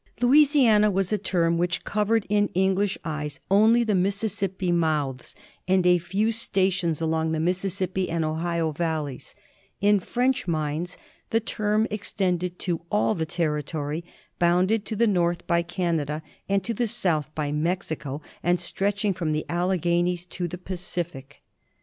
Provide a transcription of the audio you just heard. Louisiana was a term which covered in English eyes only the Mississippi mouths and a few stations along the Mississippi and Ohio valleys; in French minds the term extended to all the terri tory bounded to the north by Canada and to the south by Mexico, and stretching from the Alleghanies to the Pacific.